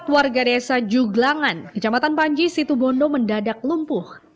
empat warga desa juglangan kecamatan panji situbondo mendadak lumpuh